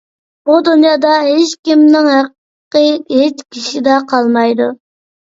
بۇ دۇنيادا ھېچكىمنىڭ ھەققى ھېچكىشىدە قالمايدۇ.